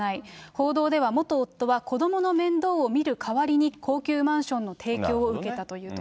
報道では、元夫は子どもの面倒を見る代わりに、高級マンションの提供を受けたというと。